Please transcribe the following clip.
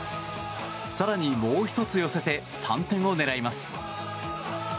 更に、もう１つ寄せて３点を狙います。